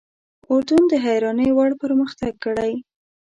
اردن د حیرانۍ وړ پرمختګ کړی.